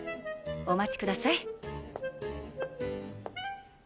お待ちください。